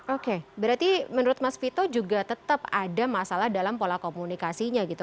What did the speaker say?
oke berarti menurut mas vito juga tetap ada masalah dalam pola komunikasinya gitu